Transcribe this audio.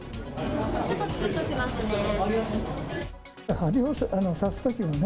ちょっとちくっとしますね。